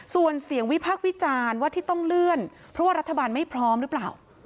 ส่วนเสียงวิพากษ์วิจารณ์ว่าที่ต้องเลื่อนเพราะว่ารัฐบาลไม่พร้อมหรือเปล่า